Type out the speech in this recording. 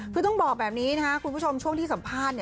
คือต้องบอกแบบนี้นะครับคุณผู้ชมช่วงที่สัมภาษณ์